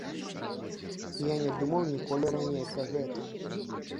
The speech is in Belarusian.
Я не думаў ніколі раней пра гэта.